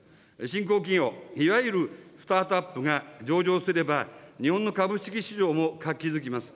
新興企業、いわゆるスタートアップが上場すれば、日本の株式市場も活気づきます。